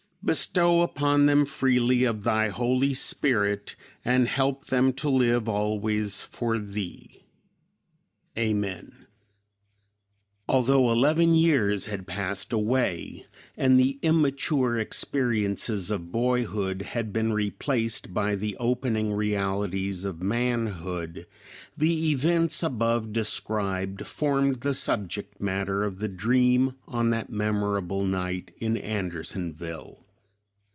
Bestow upon them freely of Thy Holy Spirit, and help them to live always for Thee. Amen." Although eleven years had passed away, and the immature experiences of boyhood had been replaced by the opening realities of manhood, the events above described formed the subject matter of the dream on that memorable night in Andersonville.